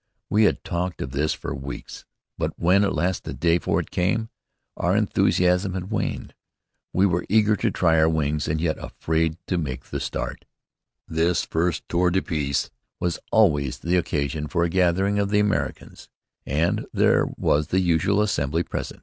We had talked of this for weeks, but when at last the day for it came, our enthusiasm had waned. We were eager to try our wings and yet afraid to make the start. This first tour de piste was always the occasion for a gathering of the Americans, and there was the usual assembly present.